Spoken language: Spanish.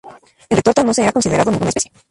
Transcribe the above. En "Retorta" no se ha considerado ninguna especie.